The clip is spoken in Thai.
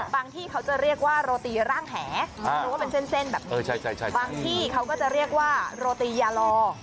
ที่เขาจะเรียกว่าโรตีร่างแหหรือว่าเป็นเส้นแบบบางที่เขาก็จะเรียกว่าโรตียาลอ